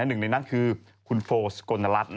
หนึ่งในนั้นคือคุณโฟสกลนรัฐ